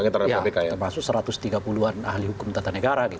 termasuk satu ratus tiga puluh an ahli hukum tata negara